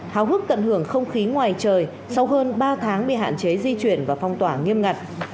hào hức tận hưởng không khí ngoài trời sau hơn ba tháng bị hạn chế di chuyển và phong tỏa nghiêm ngặt